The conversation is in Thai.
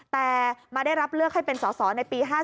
แต่มาได้รับเลือกให้เป็นสอสอในปี๕๗